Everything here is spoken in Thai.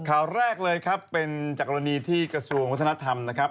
ข่าวแรกเลยครับเป็นจากกรณีที่กระทรวงวัฒนธรรมนะครับ